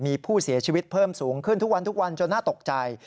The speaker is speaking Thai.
มีผู้เสียชีวิตเพิ่มสูงขึ้นทุกวันทุกวันจนน่าตกใจ